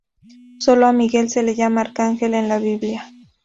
Sólo a Miguel se le llama arcángel en la Biblia.